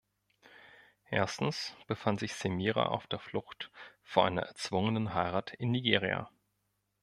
Erstens befand sich Semira auf der Flucht vor einer erzwungenen Heirat in Nigeria.